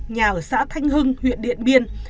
nhà ở xã thanh hưng huyện điện biên